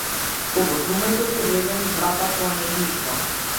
Кога глумецот ќе влезе низ врата, тоа не е ништо.